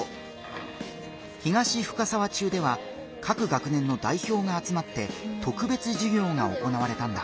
東深沢中では各学年の代表があつまって特別授業が行われたんだ。